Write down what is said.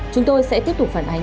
chúng tôi sẽ tiếp tục phản ánh